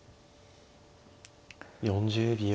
４０秒。